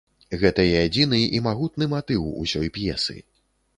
Гэта і адзіны і магутны матыў усёй п'есы.